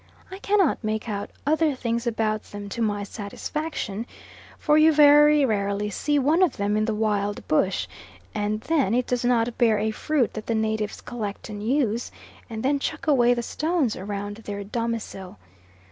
I cannot make out other things about them to my satisfaction, for you very rarely see one of them in the wild bush, and then it does not bear a fruit that the natives collect and use, and then chuck away the stones round their domicile.